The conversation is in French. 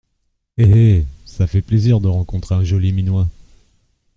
Eh ! eh ! ça fait plaisir de rencontrer un joli minois.